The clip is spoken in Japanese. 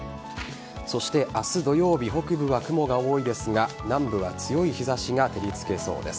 そして明日土曜日北部は雲が多いですが南部は強い日差しが照りつけそうです。